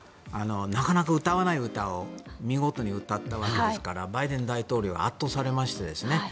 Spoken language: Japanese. なかなか歌わない歌を見事に歌ったわけですからバイデン大統領圧倒されましたね。